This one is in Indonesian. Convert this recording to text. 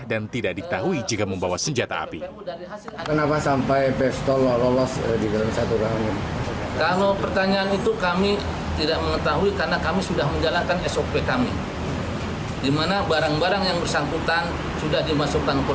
dan kuncinya juga dipegang oleh yang bersangkutan